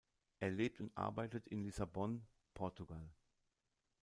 Er lebt und arbeitet in Lissabon, Portugal.